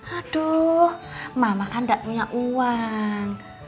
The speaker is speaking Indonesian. aduh mama kan tidak punya uang